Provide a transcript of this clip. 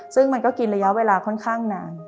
ซึ่งมันก็กินระยะเวลาค่อนข้างนาน